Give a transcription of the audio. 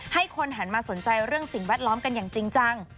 ให้คนหันมาสนใจเรื่องสิ่งแวดล้อมกันอย่างจริงจัง